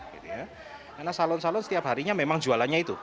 karena salon salon setiap harinya memang jualannya itu